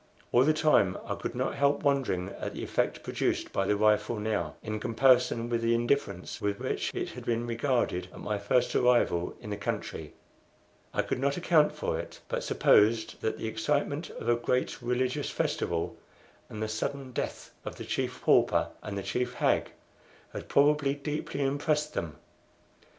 All the time I could not help wondering at the effect produced by the rifle now, in comparison with the indifference with which it had been regarded at my first arrival in the country. I could not account for it, but supposed that the excitement of a great religious festival and the sudden death of the Chief Pauper and the Chief Hag had probably deeply impressed them.